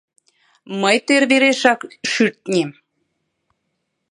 Мый тӧр верешак шӱртнем